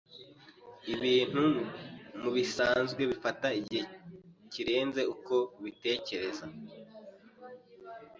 Ibintu mubisanzwe bifata igihe kirenze uko ubitekereza.